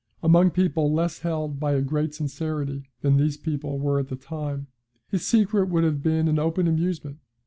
Among people less held by a great sincerity than these people were at the time, his secret would have been an open amusement.